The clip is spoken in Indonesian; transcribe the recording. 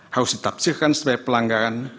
harus ditafsirkan sebagai pelanggaran